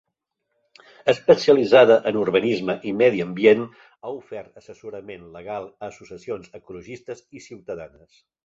Especialitzada en urbanisme i medi ambient, ha ofert assessorament legal a associacions ecologistes i ciutadanes.